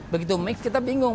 begitu mix kita bingung